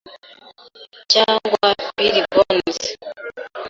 cyangwa Billy Bones's. ”